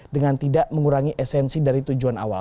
dengan tidak mengurangi esensi dari tujuan awal